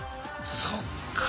そっか。